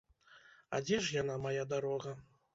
А дзе ж яна, мая дарога?